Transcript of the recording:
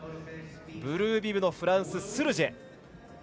ブルービブのフランス、スルジェ。